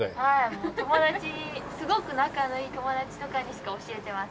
もう友達すごく仲のいい友達とかにしか教えてません。